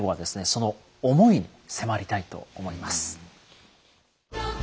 その思いに迫りたいと思います。